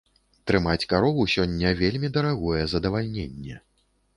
Трымаць карову сёння вельмі дарагое задавальненне.